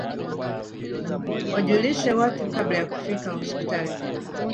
wajulishe watu kabla ya kufika hospitali